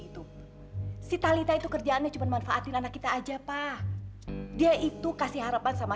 itu si talita itu kerjaannya cuman manfaatin anak kita aja pak dia itu kasih harapan sama